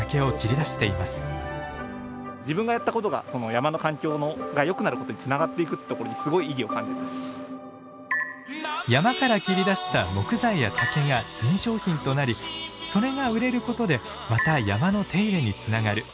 山から切り出した木材や竹が炭商品となりそれが売れることでまた山の手入れにつながる。